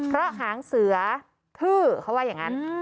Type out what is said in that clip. เพราะหางเสือทื่อเขาว่าอย่างนั้น